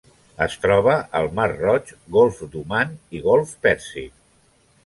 Es troba al Mar Roig, Golf d'Oman i Golf Pèrsic.